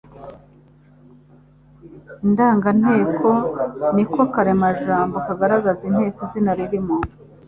Indanganteko ni ko karemajambo kagaragaza inteko izina ririmo.